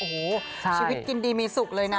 โอ้โหชีวิตกินดีมีสุขเลยนะ